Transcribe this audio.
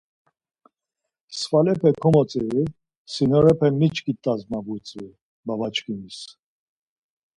Svalepe komotziri sinorepe miçkit̆as ma butzvi babaçkimis.